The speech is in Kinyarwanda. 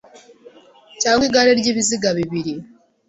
Cyangwa igare ryibiziga bibiri